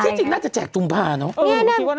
ที่จริงน่าจะแจกกุมภาพันธุ์เนอะ